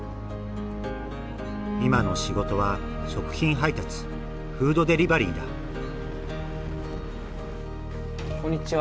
今の仕事は食品配達フードデリバリーだこんにちは。